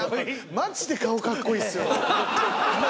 マジで顔かっこいいっす。